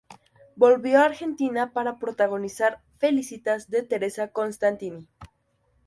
Volvió a Argentina para protagonizar "Felicitas", de Teresa Costantini.